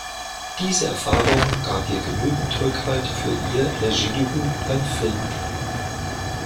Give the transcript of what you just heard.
Diese Erfahrung gab ihr genügend Rückhalt für ihr Regiedebüt beim Film.